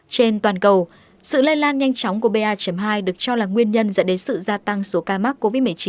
trên toàn cầu sự lây lan nhanh chóng của ba hai được cho là nguyên nhân dẫn đến sự gia tăng số ca mắc covid một mươi chín